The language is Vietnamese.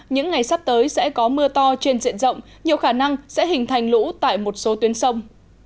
những ngày sắp tới sẽ có mưa to trên diện rộng nhiều khả năng sẽ hình thành lũ tại một số tuyến sông